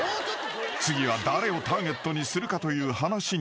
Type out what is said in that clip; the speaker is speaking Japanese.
［次は誰をターゲットにするかという話になり］